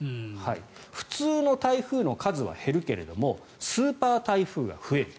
普通の台風の数は減るけどもスーパー台風が増える。